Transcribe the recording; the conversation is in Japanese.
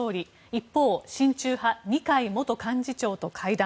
一方、親中派二階元幹事長と会談。